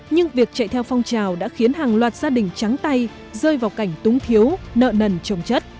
nhưng việc chạy theo phong trào đã khiến hàng loạt gia đình trắng tay rơi vào cảnh túng thiếu nợ nần trồng chất